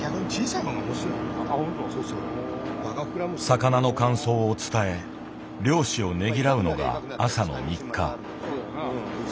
魚の感想を伝え漁師をねぎらうのが朝の日課。